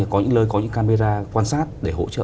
có những lơi có những camera quan sát để hỗ trợ